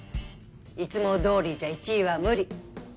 いつもどおりじゃ１位は無理